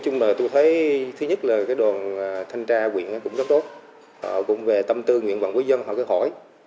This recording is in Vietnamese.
nguyện vọng của dân họ cứ hỏi